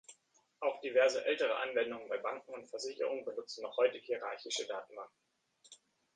Auch diverse ältere Anwendungen bei Banken und Versicherungen benutzen noch heute hierarchische Datenbanken.